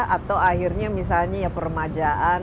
atau akhirnya misalnya ya permajaan